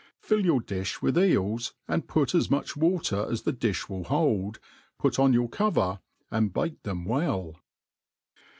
Fill your difh with eels, and put as much water as the diih will bold ; put on your cover, and bake them well.